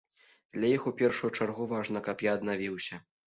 Для іх у першую чаргу важна, каб я аднавіўся.